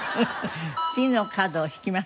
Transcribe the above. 次のカードを引きます。